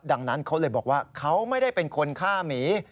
ดังนั้นเขาเลยบอกว่าเขาไม่ได้เป็นคนฆ่าหมี